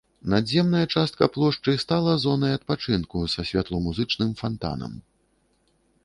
Надземная частка плошчы стала зонай адпачынку са святломузычным фантанам.